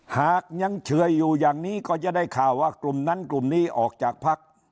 หากยังเชื่ออยู่อย่างนี้ก็จะได้ข่าวว่ากลุ่มนั้นกลุ่มนี้ออกจากพัก